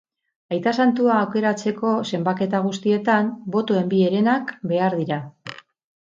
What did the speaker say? Aita santua aukeratzeko zenbaketa guztietan, botoen bi herenak behar dira.